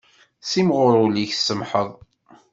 Simɣur ul-ik tsemmḥeḍ.